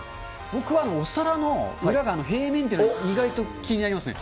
僕はお皿の裏が平面というのが、意外と気になりますね。